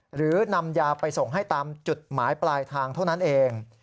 หรือนำยาไปส่งให้ตามจุดหมายปลายทางเท่านั้นเอง